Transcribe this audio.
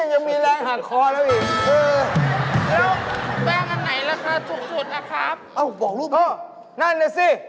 นั่นแหละสิ